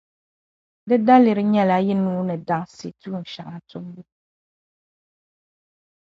Di daliri nyɛla yi nuhi ni daŋsi tuun’ shɛŋa tumbu.